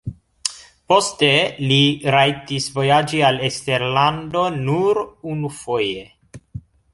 Poste li rajtis vojaĝi al eksterlando nur unufoje.